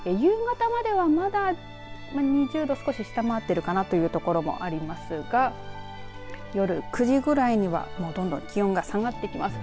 夕方まではまだ２０度を少し下回る所もあると思いますが夜９時ぐらいにはどんどん気温が下がってきます。